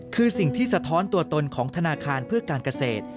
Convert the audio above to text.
คือสิ่งที่สะท้อนตัวตนของธนาคารเพื่อการเกษตร